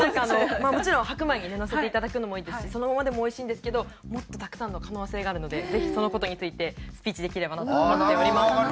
もちろん白米にねのせて頂くのもいいですしそのままでも美味しいんですけどもっとたくさんの可能性があるのでぜひその事についてスピーチできればなと思っております。